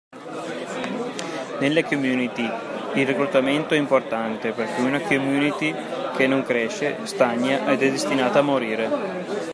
Nelle community il reclutamento è importante perché una community che non cresce, stagna ed è destinata a morire.